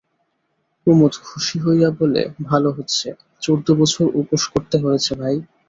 কুমুদ খুশি হইয়া বলে, ভালো হচ্ছেঃ চৌদ্দ বছর উপোস করতে হয়েছে ভাই।